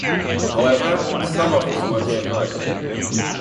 However, some of his work survived.